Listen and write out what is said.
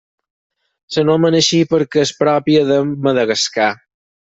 S'anomena així perquè és pròpia de Madagascar.